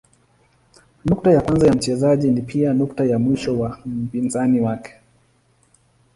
Nukta ya kwanza ya mchezaji ni pia nukta ya mwisho wa mpinzani wake.